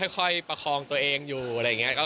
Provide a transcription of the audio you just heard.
ค่อยประคองตัวเองอยู่อะไรอย่างเงี้ย